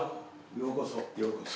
ようこそようこそ。